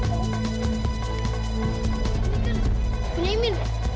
ini kan punya imin